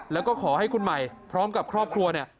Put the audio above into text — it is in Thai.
แล้วก็ขอให้คุณใหม่พร้อมกับครอบครัวเนี่ย